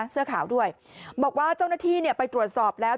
เสื้อขาวด้วยบอกว่าเจ้าหน้าที่เนี่ยไปตรวจสอบแล้ว